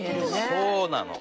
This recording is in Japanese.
そうなの。